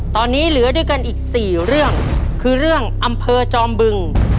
ตอนนี้เหลือด้วยกันอีก๔เรื่องคือเรื่องอำเภอจอมบึง